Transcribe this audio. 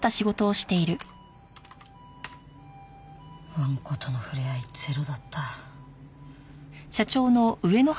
わんことのふれあいゼロだった。